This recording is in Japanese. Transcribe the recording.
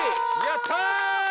やったー！